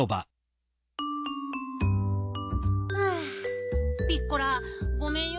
はあピッコラごめんよ。